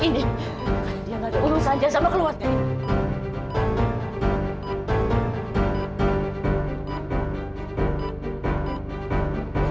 karena dia gak ada urusan dia sama keluar dari